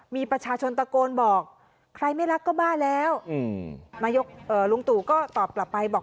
มีประชาชนตะโกนบอกใครไม่รักก็บ้าแล้วนายกลุงตู่ก็ตอบกลับไปบอก